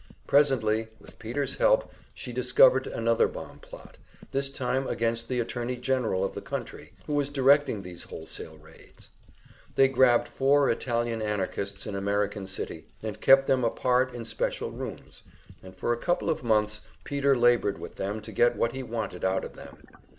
Presently with Peter's help she discovered another bomb plot, this time against the Attorney General of the country, who was directing these wholesale raids. They grabbed four Italian Anarchists in American City, and kept them apart in special rooms, and for a couple of months Peter labored with them to get what he wanted out of them.